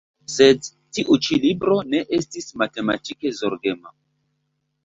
Sed tiu ĉi libro ne estis matematike zorgema.